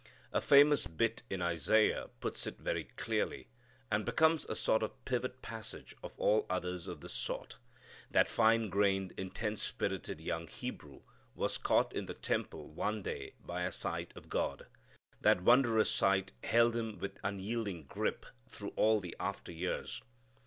A famous bit in Isaiah puts it very clearly, and becomes a sort of pivot passage of all others of this sort. That fine grained, intense spirited young Hebrew was caught in the temple one day by a sight of God. That wondrous sight held him with unyielding grip through all the after years.